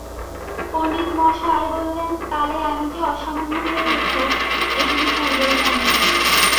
পণ্ডিতমশায় বললেন, কালে আমি যে অসামান্য হয়ে উঠব, এ তিনি পূর্বেই জানতেন।